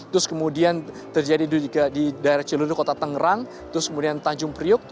terus kemudian terjadi di daerah celuruh kota tangerang terus kemudian tanjung priuk